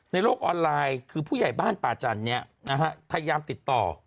ในโลกออนไลน์คือผู้ใหญ่บ้านป่าจันทร์พยายามติดต่อ